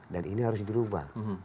dan ini harus dirubah